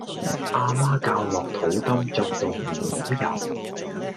阿媽教落肚 Dum 作動唔好游